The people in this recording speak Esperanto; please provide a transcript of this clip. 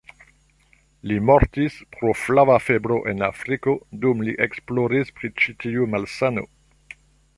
Li mortis pro flava febro en Afriko, dum li esploris pri ĉi-tiu malsano.